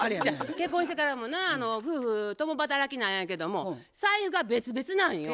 結婚してからもな夫婦共働きなんやけども財布が別々なんよ。